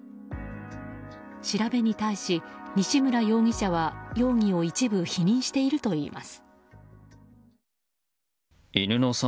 調べに対し、西村容疑者は容疑を一部否認しているといいます。